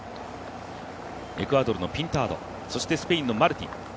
エクアドルのピンタードそしてスペインのマルティン。